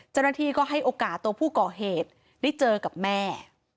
จริงก็ให้โอกาสตัวผู้ก่อเหตุได้เจอกับแม่